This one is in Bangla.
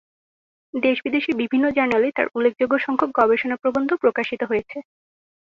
দেশ-বিদেশের বিভিন্ন জার্নালে তার উল্লেখযোগ্য সংখ্যক গবেষণা প্রবন্ধ প্রকাশিত হয়েছে।